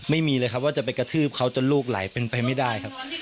ไม่มีเลยครับว่าจะไปกระทืบเขาจนลูกไหลเป็นไปไม่ได้ครับ